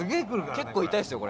結構痛いですよこれ。